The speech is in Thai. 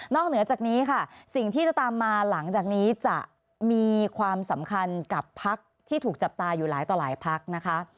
เหนือจากนี้ค่ะสิ่งที่จะตามมาหลังจากนี้จะมีความสำคัญกับพักที่ถูกจับตาอยู่หลายต่อหลายพักนะคะ